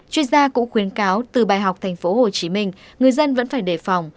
chuyên gia cũng khuyến cáo từ bài học tp hcm người dân vẫn phải đề phòng